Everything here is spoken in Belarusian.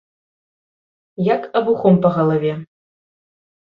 Як абухом па галаве.